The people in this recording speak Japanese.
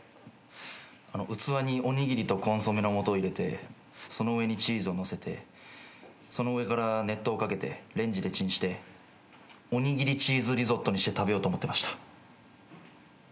器におにぎりとコンソメのもとを入れてその上にチーズを載せてその上から熱湯を掛けてレンジでチンしておにぎりチーズリゾットにして食べようと思ってました。